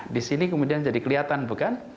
di sini kemudian jadi kelihatan bukan